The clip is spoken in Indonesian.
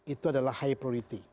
itu adalah high priority